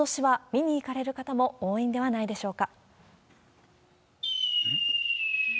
では続いて、ことしは見に行かれる方も多いんではないでしょうか。